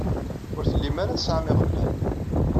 Ur tellim ara tesɛam iɣeblan.